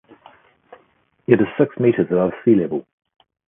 It is six meters above sea level.